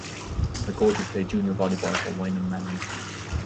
McGoldrick played junior volleyball for Wynnum Manly.